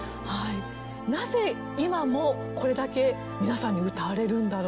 なぜ今もこれだけ皆さんに歌われるんだろう？